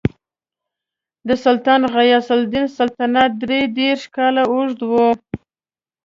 د سلطان غیاث الدین سلطنت درې دېرش کاله اوږد و.